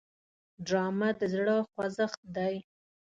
ډرامه د زړه خوځښت دی